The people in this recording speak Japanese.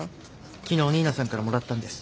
昨日新名さんからもらったんです。